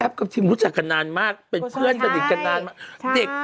กับทีมรู้จักกันนานมากเป็นเพื่อนสนิทกันนานมาก